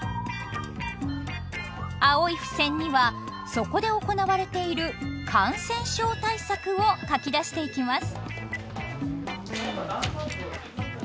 青い付箋にはそこで行われている「感染症対策」を書き出していきます。